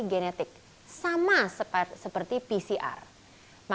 dengan menggunakan dokumen yang lebih luas untuk menentukan virus covid sembilan belas dengan menggunakan